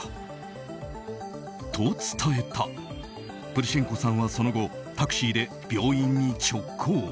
プルシェンコさんはその後タクシーで病院に直行。